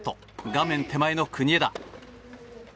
画面手前の国枝。